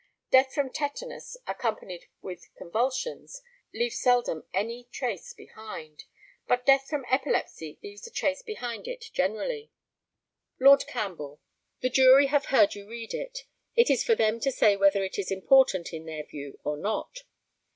Death from tetanus, accompanied with convulsions, leave seldom any trace behind; but death from epilepsy leaves a trace behind it generally." Lord CAMPBELL. The jury have heard you read it. It is for them to say whether it is important in their view or not.